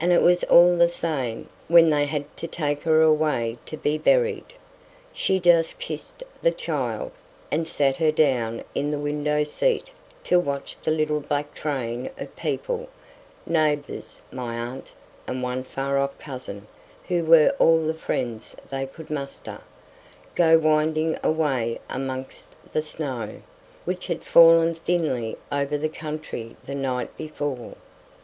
And it was all the same, when they had to take her away to be buried. She just kissed the child, and sat her down in the window seat to watch the little black train of people (neighbours—my aunt, and one far off cousin, who were all the friends they could muster) go winding away amongst the snow, which had fallen thinly over the country the night before.